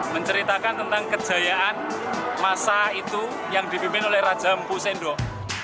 menceritakan tentang kejayaan masa itu yang dipimpin oleh raja empu sendok